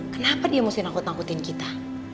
kenapa dia mesti nakut nakutin kita